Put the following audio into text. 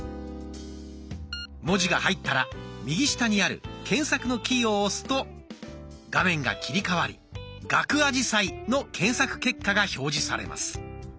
文字が入ったら右下にある検索のキーを押すと画面が切り替わり「ガクアジサイ」の検索結果が表示されます。